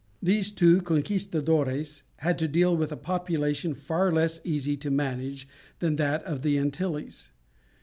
These two "conquistadores" had to deal with a population far less easy to manage than that of the Antilles.